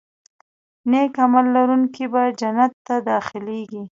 نیک عمل لرونکي به جنت ته داخلېږي.